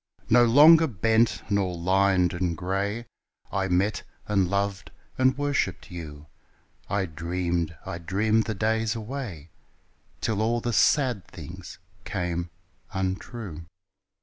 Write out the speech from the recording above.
No longer bent nor lined and grey, I met and loved and worshipped you, I dreamed, I dreamed the days away Till all the sad things came untrue.